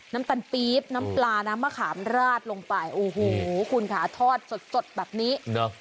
น้ำตาลปี๊บน้ำปลาน้ำมะขามราดลงไปอูหูคูณขาทอดสดแบบนี้